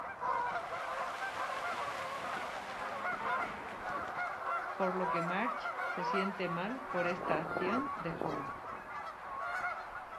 Por lo que Marge se siente mal por esta acción de Homer.